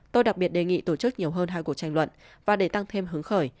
tôi đặc biệt đề nghị tổ chức nhiều hơn hai cuộc tranh luận và để tăng thêm hứng khởi